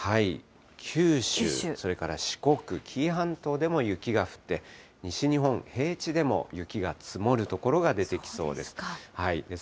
九州、それから四国、紀伊半島でも雪が降って、西日本、平地でも雪が積もる所が出てきそうです。